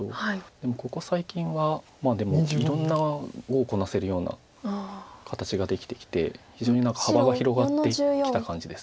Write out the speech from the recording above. でもここ最近はまあでもいろんな碁をこなせるような形ができてきて非常に幅が広がってきた感じです。